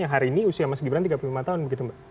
hari ini usia mas gibran tiga puluh lima tahun begitu mbak